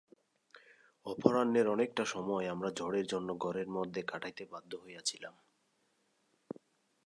অপরাহ্নের অনেকটা সময় আমরা ঝড়ের জন্য ঘরের মধ্যে কাটাইতে বাধ্য হইয়াছিলাম।